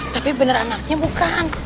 tapi bener anaknya bukan